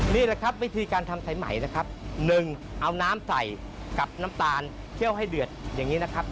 นี่แหละครับวิธีการทำสายใหม่นะครับ๑เอาน้ำใส่กับน้ำตาลเคี่ยวให้เดือดอย่างนี้นะครับ